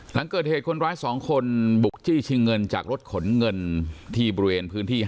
หลังเกิดเหตุคนร้าย๒คนบุกจี้ชิงเงินจากรถขนเงินที่บริเวณพื้นที่๕